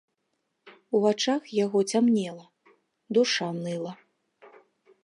У вачах яго цямнела, душа ныла.